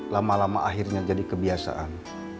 lama lama akhirnya jadi kebiasaan